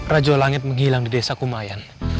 rajo langit menghilang di desa kumayan